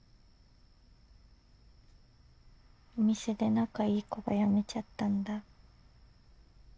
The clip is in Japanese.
お店で仲いい子が辞めちゃったんだ。